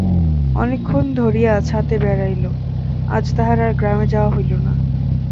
অনেকক্ষণ ধরিয়া ছাতে বেড়াইল, আজ তাহার আর গ্রামে যাওয়া হইল না।